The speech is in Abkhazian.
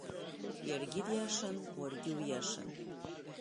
Иаргьы диашан, уаргьы уиашан!